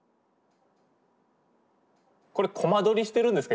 これコマ撮りしてるんですか